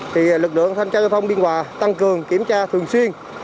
thì lực lượng thanh tra giao thông biên hòa tăng cường kiểm tra thường xuyên